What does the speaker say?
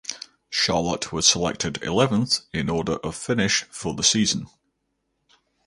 Charlotte was selected eleventh in order of finish for the season.